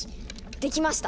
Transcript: できました。